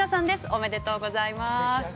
おめでとうございます！